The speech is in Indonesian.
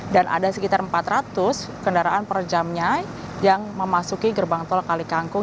dan ada sekitar empat ratus kendaraan per jamnya yang memasuki gerbang tol kalikangkung